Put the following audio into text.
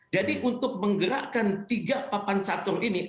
jadi untuk menggerakkan tiga papan catur ini